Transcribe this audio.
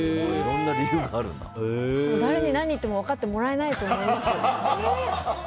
誰に何を言っても分かってもらえないと思います。